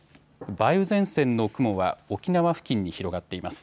梅雨前線の雲は沖縄付近に広がっています。